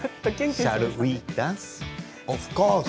シャルウィーダンス？